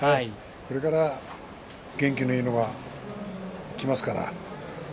これから元気がいいのがきますから。